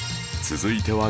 続いては